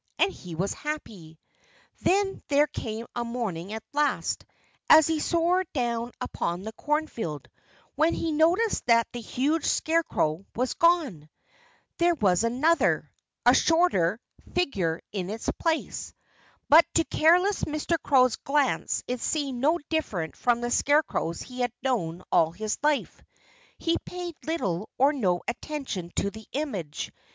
And he was happy. Then there came a morning at last, as he soared down upon the cornfield, when he noticed that the huge scarecrow was gone. There was another a shorter figure in its place. But to careless Mr. Crow's glance it seemed no different from the scarecrows he had known all his life. He paid little or no attention to the image.